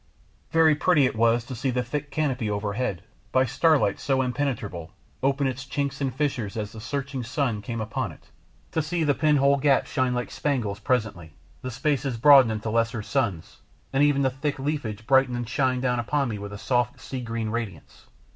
Very pretty it was to see the thick canopy overhead, by star light so impenetrable, open its chinks and fissures as the searching sun came upon it; to see the pin hole gaps shine like spangles presently, the spaces broaden into lesser suns, and even the thick leafage brighten and shine down on me with a soft sea green radiance.